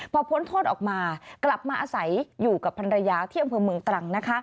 พอพ้นโทษออกมากลับมาอาศัยอยู่กับภรรยาที่อำเภอเมืองตรัง